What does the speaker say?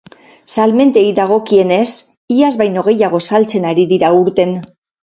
Salmentei dagokienez, iaz baino gehiago saltzen ari dira aurten.